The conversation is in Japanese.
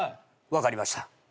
分かりました。